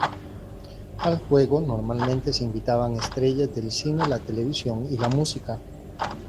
Al juego normalmente se invitaban estrellas del cine, la televisión y la música.